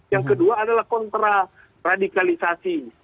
yang kedua adalah kontra radikalisasi